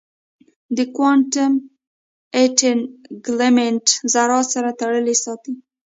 د کوانټم انټنګلمنټ ذرات سره تړلي ساتي.